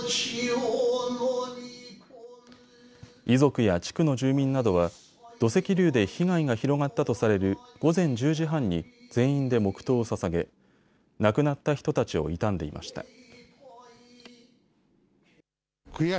遺族や地区の住民などは土石流で被害が広がったとされる午前１０時半に全員で黙とうをささげ亡くなった人たちを悼んでいました。